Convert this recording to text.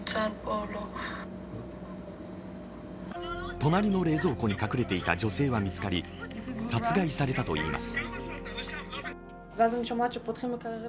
隣の冷蔵庫に隠れていた女性は見つかり殺害されたといいます。